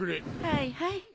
はいはい。